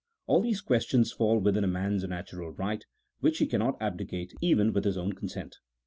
All these questions fall within a man's natural right, which he cannot abdicate even with his own consent.